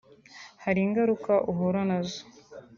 hari ingaruka uhura na zo